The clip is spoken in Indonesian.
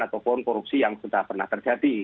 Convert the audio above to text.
ataupun korupsi yang sudah pernah terjadi